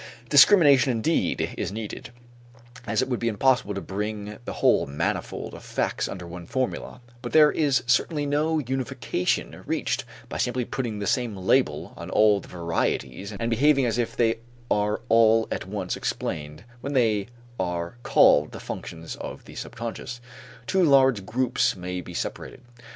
Discrimination indeed is needed, as it would be impossible to bring the whole manifold of facts under one formula, but there is certainly no unification reached by simply putting the same label on all the varieties and behaving as if they are all at once explained when they are called the functions of the subconscious. Two large groups may be separated.